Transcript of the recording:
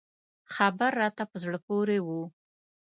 خبر راته په زړه پورې و.